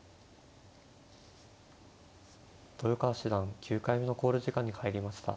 豊川七段９回目の考慮時間に入りました。